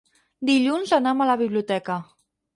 Dilluns anam a la biblioteca.